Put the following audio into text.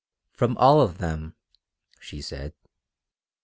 "From all of them," she said.